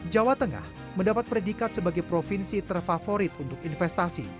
jawa tengah mendapat predikat sebagai provinsi terfavorit untuk investasi